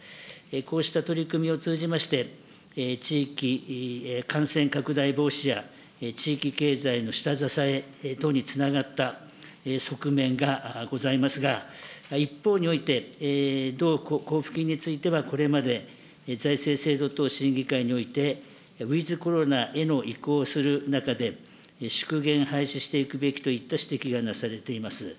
こうした取り組みを通じまして、地域、感染拡大防止や、地域経済の下支え等につながった側面がございますが、一方において、同交付金については、これまで財政制度等審議会においてウィズコロナへの移行する中で、縮減廃止していくべきといった指摘がなされています。